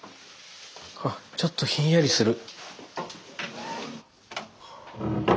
あっちょっとひんやりする。